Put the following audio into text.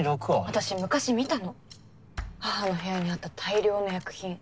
私昔見たの母の部屋にあった大量の薬品。